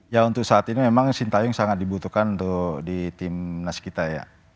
ya untuk saat ini memang sintayong sangat dibutuhkan untuk di tim nas kita ya